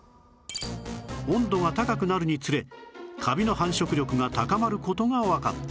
温度が高くなるにつれカビの繁殖力が高まる事がわかった